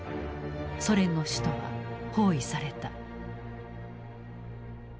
ソ連の首都は包囲された。